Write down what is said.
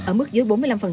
ở mức dưới bốn mươi năm